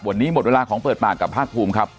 วันนี้หมดเวลาของเปิดปากกับภาคภูมิครับ